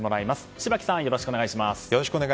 柴木さん、よろしくお願いします。